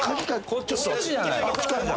こっちじゃないの？